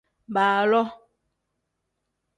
Baaloo.